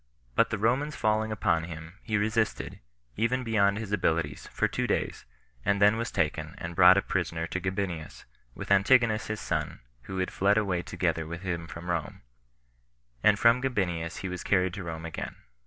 But the Romans falling upon him, he resisted, even beyond his abilities, for two days, and then was taken, and brought a prisoner to Gabinius, with Antigonus his son, who had fled away together with him from Rome; and from Gabinius he was carried to Rome again.